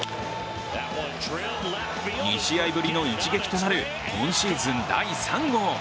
２試合ぶりの一撃となる今シーズン第３号。